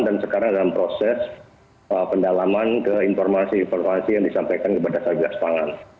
dan sekarang dalam proses pendalaman ke informasi informasi yang disampaikan kepada satgas pangan